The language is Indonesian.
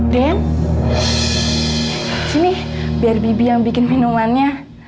dem sini biar bibi yang bikin minumannya